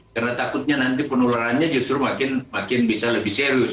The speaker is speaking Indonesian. karena takutnya nanti penularannya justru makin bisa lebih serius